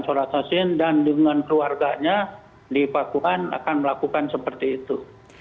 surat yasin dan dengan keluarganya di pakuwan akan melakukan seperti itu